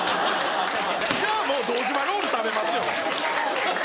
じゃあもう堂島ロール食べますよ。